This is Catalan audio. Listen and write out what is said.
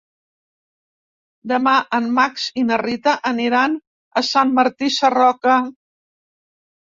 Demà en Max i na Rita aniran a Sant Martí Sarroca.